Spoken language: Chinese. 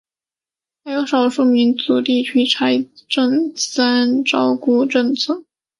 还有少数民族地区财政三照顾政策。